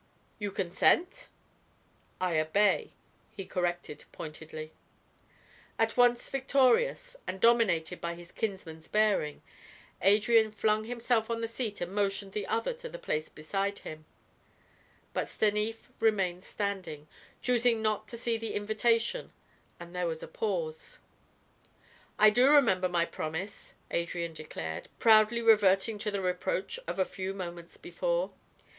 "You consent?" "I obey," he corrected pointedly. At once victorious, and dominated by his kinsman's bearing, Adrian flung himself on the seat and motioned the other to the place beside him. But Stanief remained standing, choosing not to see the invitation, and there was a pause. "I do remember my promise," Adrian declared, proudly reverting to the reproach of a few moments before.